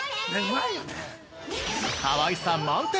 かわいさ満点！